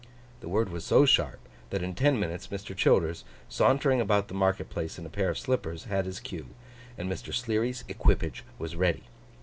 The word was so sharp, that in ten minutes Mr. Childers, sauntering about the market place in a pair of slippers, had his cue, and Mr. Sleary's equipage was ready.